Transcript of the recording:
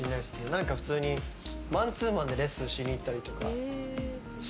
何か普通にマンツーマンでレッスンしに行ったりとか。